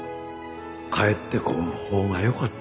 帰ってこん方がよかった。